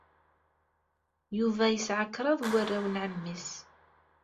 Yuba yesɛa kraḍ n warraw n ɛemmi-s.